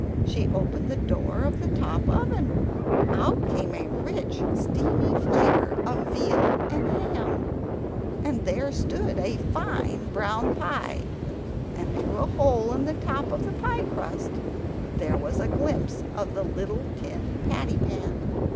She opened the door of the TOP oven; out came a rich steamy flavour of veal and ham, and there stood a fine brown pie, and through a hole in the top of the pie crust there was a glimpse of a little tin patty pan!